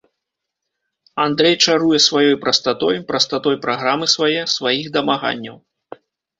Андрэй чаруе сваёй прастатой, прастатой праграмы свае, сваіх дамаганняў.